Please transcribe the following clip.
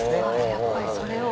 やっぱりそれを。